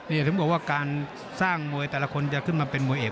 นี่ถึงบอกว่าการสร้างมวยแต่ละคนจะขึ้นมาเป็นมวยเอก